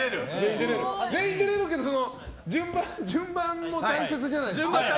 全員出れるけど順番も大切じゃないですか？